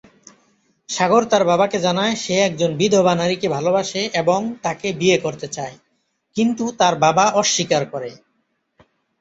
সাগর তার বাবাকে জানায় সে একজন বিধবা নারীকে ভালোবাসে এবং তাকে বিয়ে করতে চায়, কিন্তু তার বাবা অস্বীকার করে।